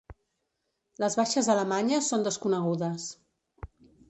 Les baixes alemanyes són desconegudes.